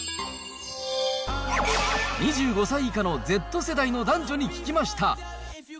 ２５歳以下のＺ世代の男女に聞きました。